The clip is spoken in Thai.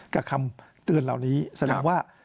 กับคำเตือนเหล่านี้สำหรับว่า